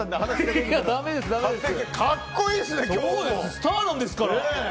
スターなんですから。